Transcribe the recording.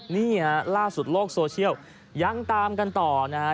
นี่ฮะล่าสุดโลกโซเชียลยังตามกันต่อนะฮะ